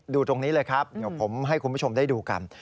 ตรงนี้เลยครับเดี๋ยวผมให้คุณผู้ชมได้ดูกัน